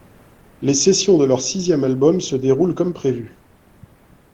Les sessions de leur sixième album se déroulent comme prévues.